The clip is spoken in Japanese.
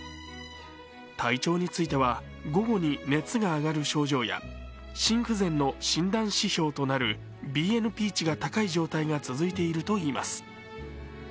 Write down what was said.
体調については、午後に熱が上がる症状や心不全の診断指標となるＢＮＰ値が高い状態が続いているといいます。